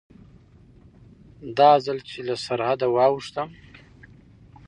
دا ځل چې له سرحده واوښتم.